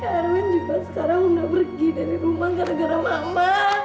kak erwin juga sekarang tidak pergi dari rumah karena gara mama